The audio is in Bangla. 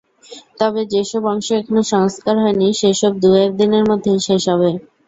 তবে যেসব অংশ এখনো সংস্কার হয়নি, সেসব দু-এক দিনের মধ্যেই শেষ হবে।